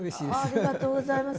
ありがとうございます。